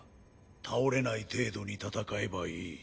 倒れない程度に戦えばいい。